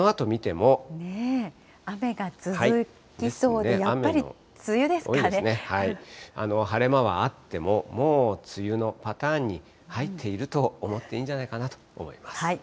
雨が続きそうで、やっぱり梅晴れ間はあっても、もう梅雨のパターンに入っていると思っていいんじゃないかなと思います。